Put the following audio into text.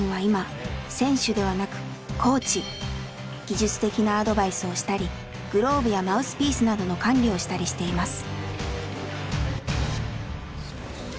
技術的なアドバイスをしたりグローブやマウスピースなどの管理をしたりしています。